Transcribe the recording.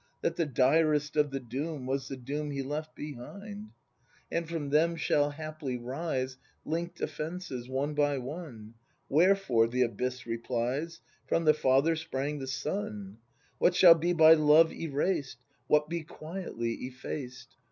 That the direst of the doom Was the doom he left behind. And from them shall haply rise Link'd offences one by one. Wherefore ? The abyss replies : From the father sprang the son! What shall be by Love erased ? What be quietly effaced